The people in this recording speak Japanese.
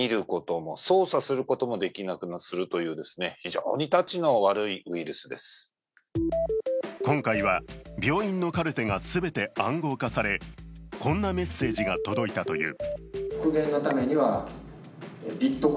ＩＴジャーナリストの三上氏によると今回は病院のカルテが全て暗号化され、こんなメッセージが届いたという。